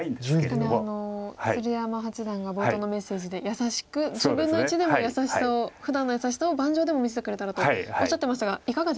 確かに鶴山八段が冒頭のメッセージで優しく１０分の１でも優しさをふだんの優しさを盤上でも見せてくれたらとおっしゃってましたがいかがですか